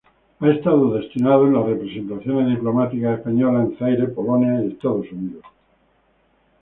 Ha estado destinado en las representaciones diplomáticas españolas en Zaire, Polonia y Estados Unidos.